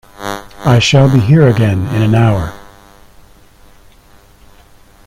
I shall be here again in an hour.